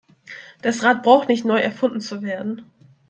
Das Rad braucht nicht neu erfunden zu werden.